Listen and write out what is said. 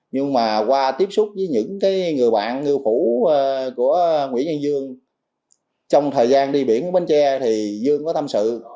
nhưng mà qua tiếp xúc với những người bạn ngư phủ của nguyễn nhân dương trong thời gian đi biển ở bến tre thì dương có tham sự